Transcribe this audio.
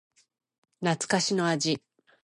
懐かしの味